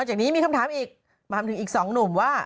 นอกจากนี่มีคำถามอีกพี่อีกสองหนุ่มว่า